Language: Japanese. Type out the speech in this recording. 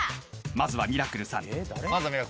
まずはミラクルさん。